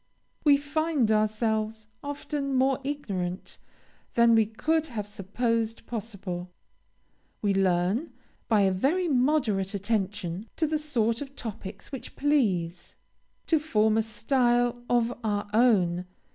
We find ourselves often more ignorant than we could have supposed possible. We learn, by a very moderate attention to the sort of topics which please, to form a style of our own.